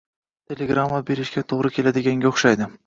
Telegramma berishga toʻgʻri keladiganga oʻxshaydi.